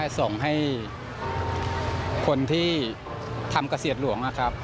ส่งให้คนที่ทำเกษตรหลวงนะครับ